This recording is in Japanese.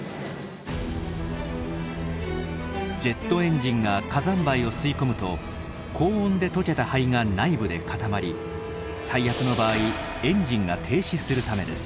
ジェットエンジンが火山灰を吸い込むと高温で溶けた灰が内部で固まり最悪の場合エンジンが停止するためです。